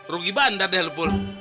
rugi bandar deh lo paul